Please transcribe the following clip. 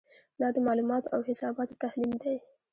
دا د معلوماتو او حساباتو تحلیل دی.